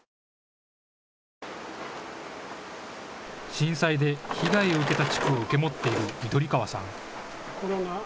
震災で被害を受けた地区を受け持っている緑川さん。